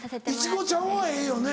いちごちゃんはええよね。